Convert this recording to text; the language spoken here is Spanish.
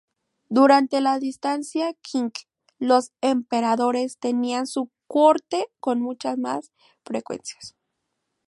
Durante la dinastía Qing, los emperadores tenían su corte con mucha más frecuencia.